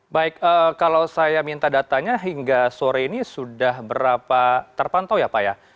baik kalau saya minta datanya hingga sore ini sudah berapa terpantau ya pak ya